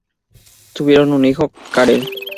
Tuvieron un hijo, Karel.